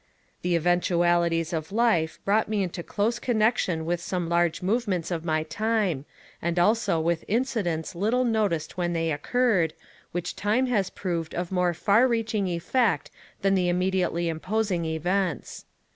The eventualities of life brought me into close connection with some large movements of my time, and also with inci dents little noticed when they occurred, which time has proved of more far reaching effect than the immediately imposing events.